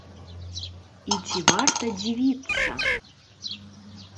І ці варта дзівіцца?